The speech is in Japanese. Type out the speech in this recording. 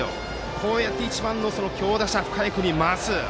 こうやって１番の強打者、深谷君に回す。